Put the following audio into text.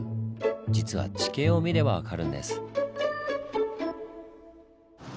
実は地形を見れば分かるんです。